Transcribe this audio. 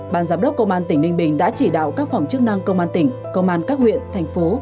ban giám đốc công an tỉnh ninh bình đã chỉ đạo các phòng chức năng công an tỉnh công an các huyện thành phố